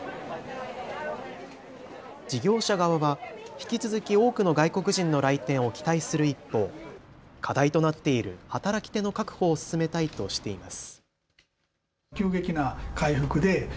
事業者側は引き続き多くの外国人の来店を期待する一方、課題となっている働き手の確保を進めたいとしています。